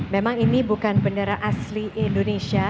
memang ini bukan bendera asli indonesia